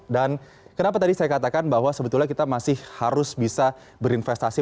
dan kenapa tadi saya katakan bahwa sebetulnya kita masih harus bisa berinvestasi